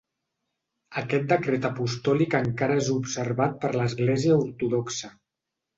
Aquest Decret Apostòlic encara és observat per l'Església Ortodoxa.